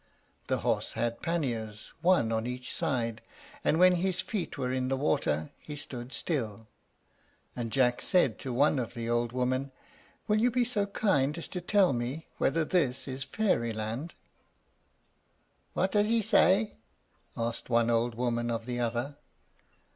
The horse had panniers, one on each side; and when his feet were in the water he stood still; and Jack said to one of the old women, "Will you be so kind as to tell me whether this is Fairyland?" "What does he say?" asked one old woman of the other.